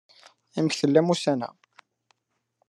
Amek tellamt ussan-a?